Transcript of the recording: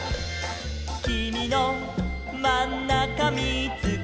「きみのまんなかみーつけた」